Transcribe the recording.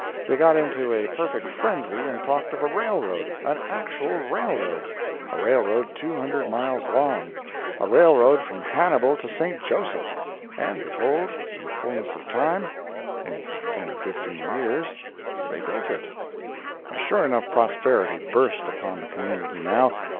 They got into a perfect frenzy and talked of a railroad—an actual railroad—a railroad 200 miles long—a railroad from Hannibal to St. Joseph! And behold, in the fullness of time—in ten or fifteen years—they built it. A sure enough prosperity burst upon the community, now.